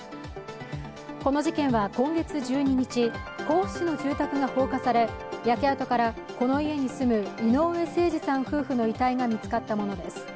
この事件は今月１２日甲府市の住宅が放火され焼け跡からこの家に住む井上盛司さん夫婦の遺体が見つかったものです。